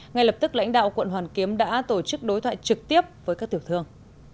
ngay lập tức lãnh đạo quận hoàn kiếm đã tổ chức đối thoại trực tiếp với các tiểu thương